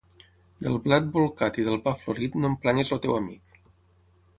Del blat bolcat i del pa florit no en planyis el teu amic.